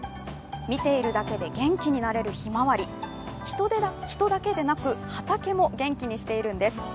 見ているだけで元気になれるひまわり人だけでなく畑も元気にしているんです。